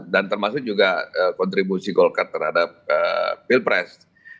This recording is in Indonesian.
dan termasuk juga kontribusi golkar terhadap pilpres